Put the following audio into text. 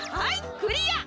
クリア！